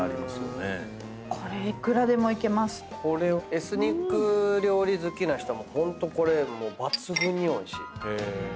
エスニック料理好きな人もホントこれ抜群においしい。